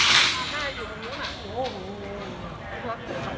อันที่สุดท้ายก็คือภาษาอันที่สุดท้าย